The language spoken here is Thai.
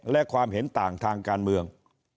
และความเห็นต่างทางการเมือง